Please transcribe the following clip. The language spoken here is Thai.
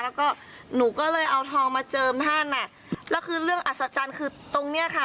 แล้วก็หนูก็เลยเอาทองมาเจิมท่านอ่ะแล้วคือเรื่องอัศจรรย์คือตรงเนี้ยค่ะ